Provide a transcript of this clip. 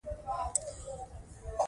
ځان د ليري هدف لور ته برابر كه